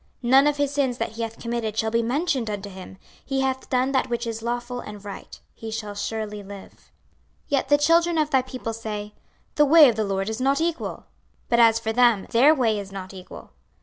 26:033:016 None of his sins that he hath committed shall be mentioned unto him: he hath done that which is lawful and right; he shall surely live. 26:033:017 Yet the children of thy people say, The way of the Lord is not equal: but as for them, their way is not equal.